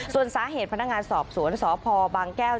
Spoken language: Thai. ส่วนสาเหตุพนักงานสอบสวนสพบางแก้ว